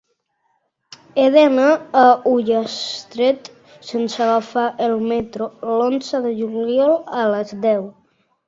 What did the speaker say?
He d'anar a Ullastret sense agafar el metro l'onze de juliol a les deu.